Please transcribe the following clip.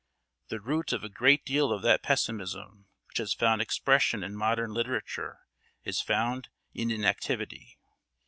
The root of a great deal of that pessimism which has found expression in modern literature is found in inactivity.